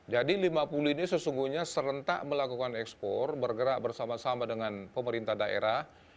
jadi lima puluh ini sesungguhnya serentak melakukan ekspor bergerak bersama sama dengan pemerintah daerah